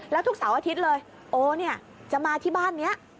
แล้วทุกเสาร์อาทิตย์เลยโอเนี่ยจะมาที่บ้านนี้